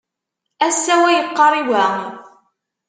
Ass-a wa yeqqar i wa.